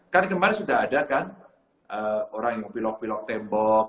kan kemarin sudah ada kan orang yang belok belok tembok